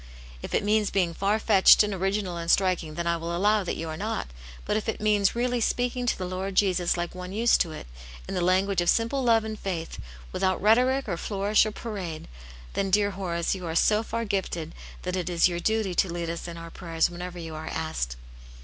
" If it means being far fetched, and original and striking, then I will allow that you are not But if it means really speaking to the Lord Jesus like one used to it, in the language of simple love ^nd faith, without rhetoric or flourish or parade, then, dear Horace, you are so far gifted that it is your duty to lead us in our prayers whenever you are asked."